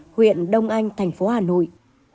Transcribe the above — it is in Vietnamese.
huyện đông anh thành phố hà nội